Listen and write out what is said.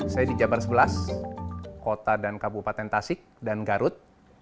saya di jabar sebelas kota dan kabupaten tasik dan garut